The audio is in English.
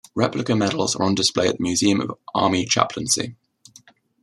Replica medals are on display at the Museum of Army Chaplaincy.